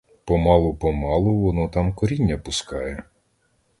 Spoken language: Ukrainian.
Помалу, помалу, воно там коріння пускає.